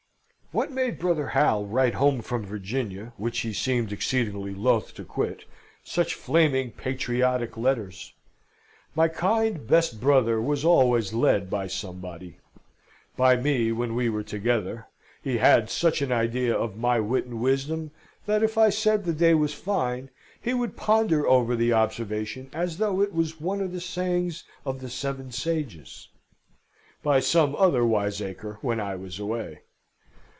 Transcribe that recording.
What made brother Hal write home from Virginia, which he seemed exceedingly loth to quit, such flaming patriotic letters? My kind, best brother was always led by somebody; by me when we were together (he had such an idea of my wit and wisdom, that if I said the day was fine, he would ponder over the observation as though it was one of the sayings of the Seven Sages), by some other wiseacre when I was away.